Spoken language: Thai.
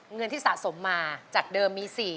เงินที่สะสมมาจากเดิมมี๔๐๐